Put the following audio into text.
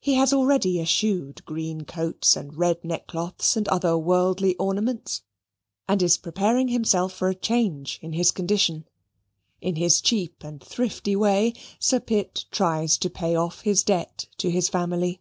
He has already eschewed green coats, red neckcloths, and other worldly ornaments, and is preparing himself for a change in his condition. In this cheap and thrifty way Sir Pitt tries to pay off his debt to his family.